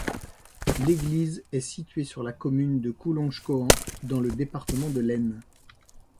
L'église est située sur la commune de Coulonges-Cohan, dans le département de l'Aisne.